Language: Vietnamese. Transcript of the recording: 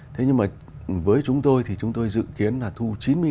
thế nhưng mà với chúng tôi thì chúng tôi dự kiến là thu chín mươi